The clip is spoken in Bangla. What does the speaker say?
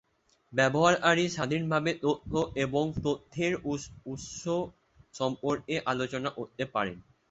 ব্যবহারকারী স্বাধীনভাবে তথ্য এবং তথ্যের উৎস সম্পর্কে আলোচনা করতে পারেন।